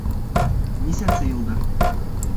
Нисәнсе йылда?